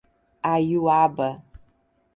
Aiuaba